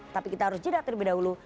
tapi kita harus jeda terlebih dahulu